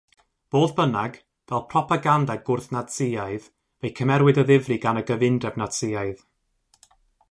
Fodd bynnag, fel propaganda gwrth-Natsïaidd fe'i cymerwyd o ddifrif gan y gyfundrefn Natsïaidd.